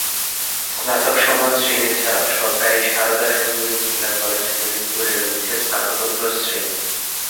স্নাতক সম্মান শ্রেণীর ছাড়াও সরকারি সারদা সুন্দরী মহিলা কলেজ ফরিদপুর এর রয়েছে স্নাতকোত্তর শ্রেণি।